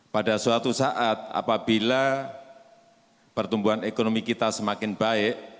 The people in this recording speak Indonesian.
pada suatu saat apabila pertumbuhan ekonomi kita semakin baik